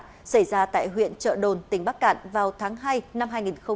tội đánh bạc xảy ra tại huyện trợ đồn tỉnh bắc cạn vào tháng hai năm hai nghìn hai mươi hai